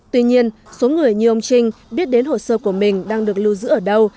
tuy nhiên số người như ông trinh biết đến hồ sơ của mình đang được lưu giữ ở đâu